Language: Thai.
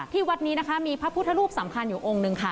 วัดนี้นะคะมีพระพุทธรูปสำคัญอยู่องค์หนึ่งค่ะ